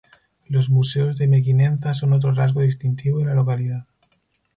Los Museos de Mequinenza son otro rasgo distintivo de la localidad.